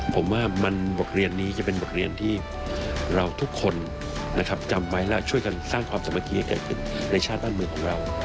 ผมว่ามันบทเรียนนี้จะเป็นบทเรียนที่เราทุกคนนะครับจำไว้และช่วยกันสร้างความสามัคคีให้เกิดขึ้นในชาติบ้านเมืองของเรา